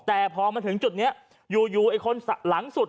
แต่พอมาถึงจุดนี้อยู่ไอ้คนหลังสุด